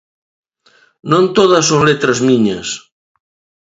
Non todas son letras miñas.